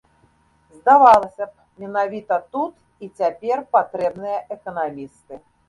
Здавалася б, менавіта тут і цяпер патрэбныя эканамісты.